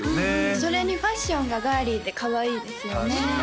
それにファッションがガーリーでかわいいですよね